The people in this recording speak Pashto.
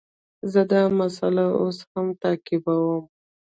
زه دا مسئله اوس هم تعقیبوم.